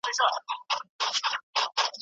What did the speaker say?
چې افغانان څه کولای شي.